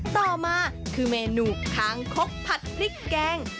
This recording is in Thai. ต่อมาคือเมนูคางคกผัดพริกแกง